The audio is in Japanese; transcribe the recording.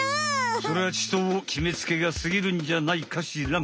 それはちときめつけがすぎるんじゃないかしらん。